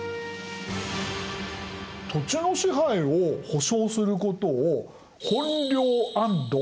土地の支配を保証することを本領安堵といいます。